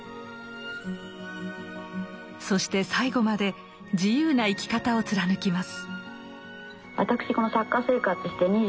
そして最後まで自由な生き方を貫きます。